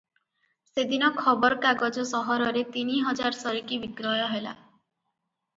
ସେଦିନ ଖବରକାଗଜ ସହରରେ ତିନିହଜାର ସରିକି ବିକ୍ରୟ ହେଲା ।